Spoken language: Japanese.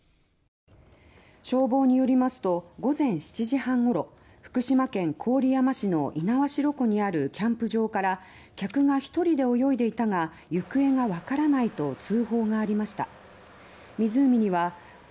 消防によりますと午前７時半ごろ福島県郡山市の猪苗代湖にあるキャンプ場から客が１人で泳いでいたが行方がわからないと通報がありました。